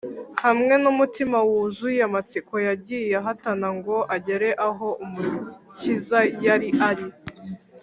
Hamwe n’umutima wuzuye amatsiko, yagiye ahatana ngo agere aho Umukiza yari ari